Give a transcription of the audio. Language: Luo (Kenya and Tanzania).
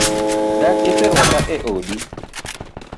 Dak iseruaka e odi?